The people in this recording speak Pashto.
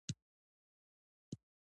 یورانیم د افغانستان د انرژۍ سکتور برخه ده.